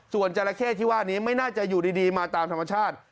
ส่วนจราเข้ที่ว่านี้ไม่น่าจะอยู่ดีมาตามธรรมชาติ